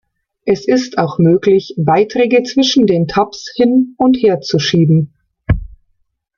Es ist auch möglich, Beiträge zwischen den Tabs hin und her zu schieben.